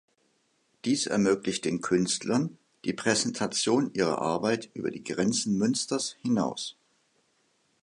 Dies ermöglicht den Künstlern die Präsentation ihrer Arbeit über die Grenzen Münsters hinaus.